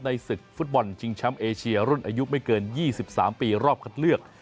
ในศึกฟุตบอลชิงช้ำเอเชียรุ่นอายุไม่เกินยี่สิบสามปีรอบคัดเลือก